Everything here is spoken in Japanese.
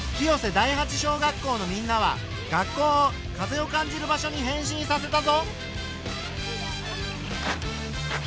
第八小学校のみんなは学校を風を感じる場所に変身させたぞ。